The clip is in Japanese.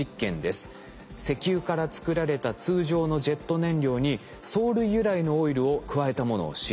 石油から作られた通常のジェット燃料に藻類由来のオイルを加えたものを使用。